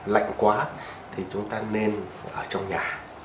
lạnh quá thì chúng ta nên ở trong nhà